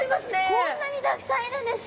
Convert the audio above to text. こんなにたくさんいるんですか？